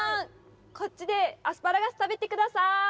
こっちでアスパラガス食べて下さい！